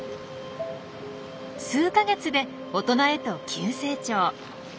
数か月で大人へと急成長。